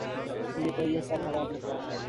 مجھے تو یہ سب خواب لگتا ہے